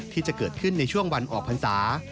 ที่จะเกิดขึ้นในช่วงวันออกพรรษา